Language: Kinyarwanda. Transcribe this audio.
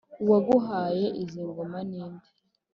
uwaguhaye izi ngoma ninde